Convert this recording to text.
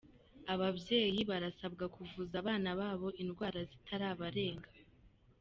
Ababyeyi barasabwa kuvuza abana babo indwara zitarabarenga.